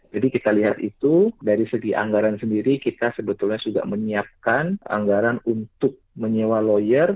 jadi kita lihat itu dari segi anggaran sendiri kita sebetulnya sudah menyiapkan anggaran untuk menyewa lawyer